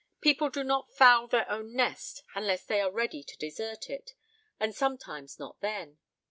People do not foul their own nest unless they are ready to desert it and sometimes not then.